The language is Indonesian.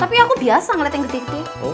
tapi aku biasa ngeliat yang gede gede